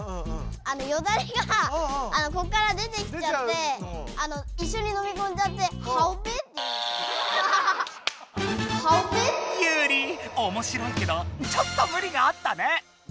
よだれがこっから出てきちゃっていっしょにのみこんじゃってユウリおもしろいけどちょっとムリがあったね。